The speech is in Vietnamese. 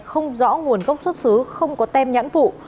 không rõ nguồn gốc xuất xứ không có tem nhãn phụ